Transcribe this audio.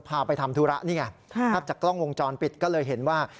พาไปทำธุระนี่ไงภาพจากกล้องวงจรปิดก็เลยเห็นว่า